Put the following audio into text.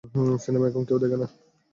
Cinema এখন কেউ দেখে না!